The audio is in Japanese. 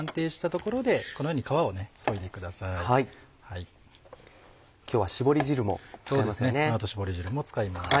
この後絞り汁も使います。